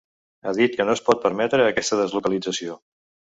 Ha dit que no es pot permetre aquesta deslocalització.